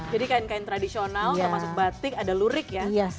jadi kain kain tradisional termasuk batik ada lurik ya